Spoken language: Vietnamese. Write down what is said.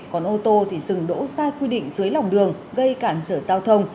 còn ô tô thì dừng đỗ sai quy định dưới lòng đường gây cản trở giao thông